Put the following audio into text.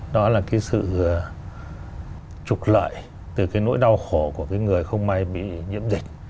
đó là cái sự trục lợi từ cái nỗi đau khổ của cái người không may bị nhiễm dịch